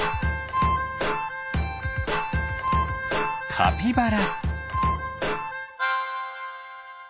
カピバラ。